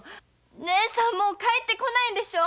姉さんもう帰って来ないんでしょ！